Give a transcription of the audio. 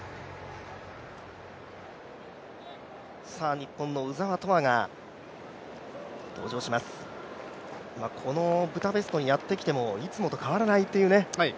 日本の鵜澤飛羽が登場します、このブダペストにやってきてもいつもと変わらないという。